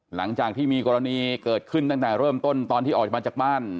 หลังจากที่มีกรณีเกิดขึ้นตั้งแต่เริ่มต้นตอนที่ออกมาจากบ้าน